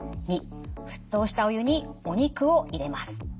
②沸騰したお湯にお肉を入れます。